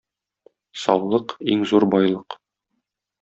Саулык - иң зур байлык